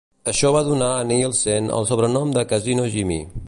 Això va donar a Nielsen el sobrenom de "Casino-Jimmy".